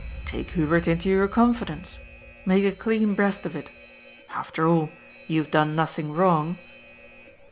^' Take Hubert into your confidence. Make a clean breast of it. After all, you have done nothing wrong."